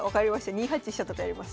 ２八飛車とかやります。